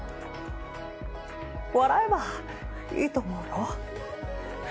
笑えばいいと思うよ。